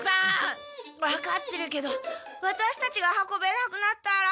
わかってるけどワタシたちが運べなくなったら。